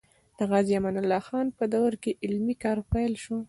د غازي امان الله خان په دوره کې علمي کار پیل شو.